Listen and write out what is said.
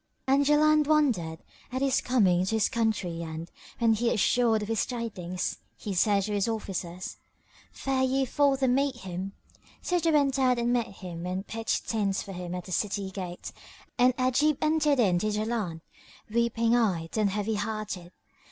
And Jaland wondered at his coming to his country and, when assured of the tidings, he said to his officers, "Fare ye forth and meet him." So they went out and met him and pitched tents for him at the city gate; and Ajib entered in to Jaland, weeping eyed and heavy hearted.